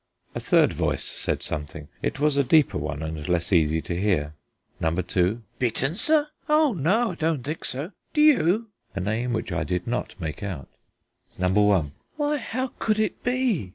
A third voice said something; it was a deeper one and less easy to hear. Number two: "Bitten, sir? Oh no, I don't think so. Do you ?" (a name which I did not make out). Number one: "Why, how could it be?"